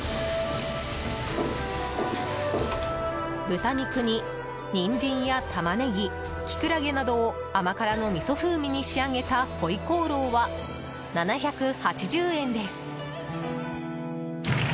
豚肉にニンジンやタマネギキクラゲなどを甘辛のみそ風味に仕上げた回鍋肉は、７８０円です。